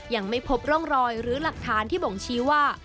ยังไม่พบร่องรอยหรือหลักฐานที่บ่งชี้ว่า